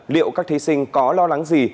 liệu các thí sinh có lo lắng gì